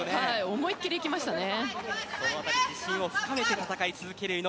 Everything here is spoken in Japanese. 思い切りいきましたね。